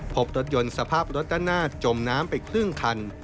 พบรถยนต์สภาพรถด้านหน้าจมน้ำไปครึ่งคัน